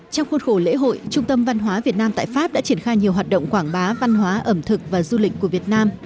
trong khuôn khổ lễ hội trung tâm văn hóa việt nam tại pháp đã triển khai nhiều hoạt động quảng bá văn hóa ẩm thực và du lịch của việt nam